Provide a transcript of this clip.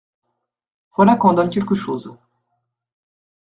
Voilà quand on donne quelque chose.